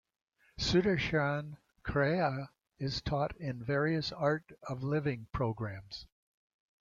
Sudarshan Kriya is taught in various Art of Living programs.